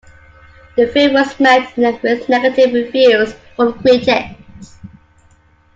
The film was met with negative reviews from critics.